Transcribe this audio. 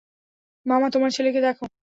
মামা, তোমার ছেলেকে দেখো।